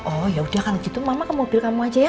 oh yaudah kalau gitu mama ke mobil kamu aja ya